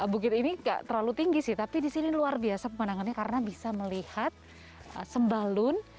bukit ini gak terlalu tinggi sih tapi di sini luar biasa pemandangannya karena bisa melihat sembalun